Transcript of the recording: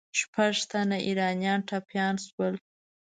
شپږ تنه ایرانیان ټپیان سول.